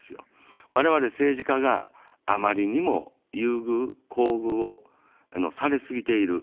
われわれ政治家があまりにも優遇、厚遇をされすぎている。